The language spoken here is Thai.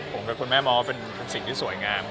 ผมกับคุณแม่มองว่าเป็นสิ่งที่สวยงาม